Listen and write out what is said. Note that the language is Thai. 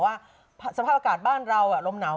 ว่าสภาพอากาศบ้านเราลมหนาว